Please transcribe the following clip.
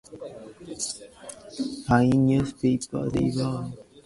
Fine newspapers they were.